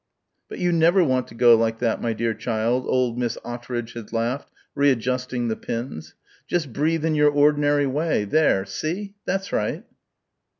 ... "But you never want to go like that, my dear child," old Miss Ottridge had laughed, readjusting the pins; "just breathe in your ordinary way there, see? That's right."